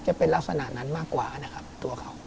จะเป็นลักษณะนั้นมากกว่านะครับตัวเขา